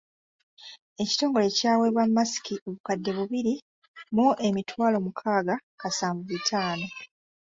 Ekitongole kyaweebwa masiki obukadde bubiri mu emitwalo mukaaga kasanvu bitaano.